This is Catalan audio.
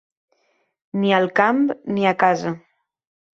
Ni al camp ni a casa.